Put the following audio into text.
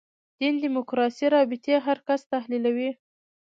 دین دیموکراسي رابطې هر کس تحلیلوي.